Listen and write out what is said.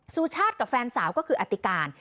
สุชาติกับแฟนสาวก็คืออติการ